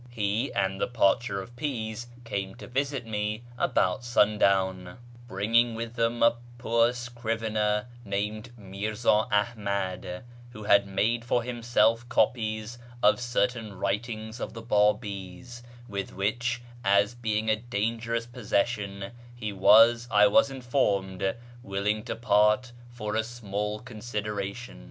He and the parcher of peas came to visit me about sundown, bringing with them AMONGST THE KALANDARS 531 a poor scrivener named Mirza Ahmad, who had made for himself copies of certain writings of the Babis, with which, as being a dangerous possession, he was, I was informed, willing to part for a small consideration.